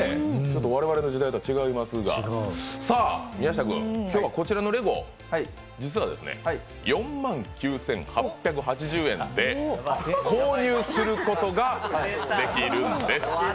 我々の時代とは違いますが、さあ宮下君、今日はこちらのレゴ、実は４万９８８０円で購入することができるんです。